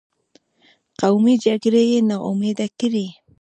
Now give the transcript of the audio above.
قومي جرګې یې نا امیده کړې.